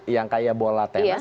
yang kayak bola tenas